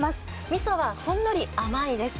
みそはほんのり甘いです。